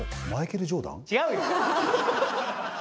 違うよ！